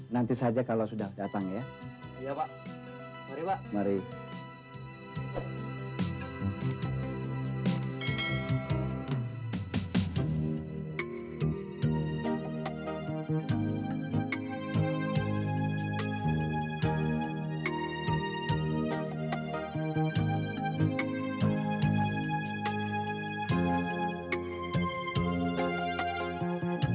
nanti saja kalau sudah datang ya